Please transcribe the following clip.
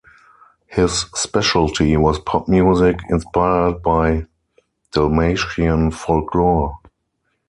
His specialty was pop music inspired by Dalmatian folklore.